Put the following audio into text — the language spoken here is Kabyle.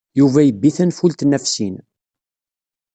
Yuba yebbi tanfult-nni ɣef sin.